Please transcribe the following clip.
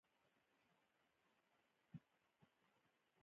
د انتخاب ځواک د فرد د مسوولیت لامل کیږي.